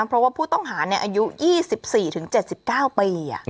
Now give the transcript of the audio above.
เพราะว่าผู้ต้องหาอายุ๒๔๗๙ปี